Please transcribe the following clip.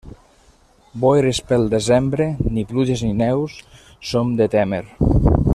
Boires pel desembre, ni pluges ni neus són de témer.